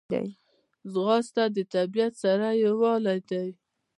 ځغاسته د طبیعت سره یووالی دی